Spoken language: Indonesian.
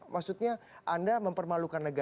maksudnya anda mempermalukan negara